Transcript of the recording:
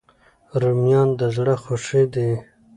رومیان د زړه خوښي دي